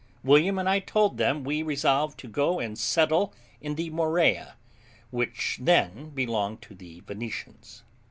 William and I told them we resolved to go and settle in the Morea, which then belonged to the Venetians.